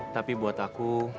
tapi buat aku